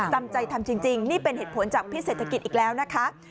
จำใจทำจริงนี่เป็นเหตุผลจากพิเศรษฐกิจอีกแล้วนะคะ